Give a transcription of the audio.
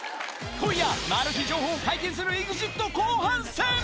今夜、マル秘情報を解禁するＥＸＩＴ後半戦。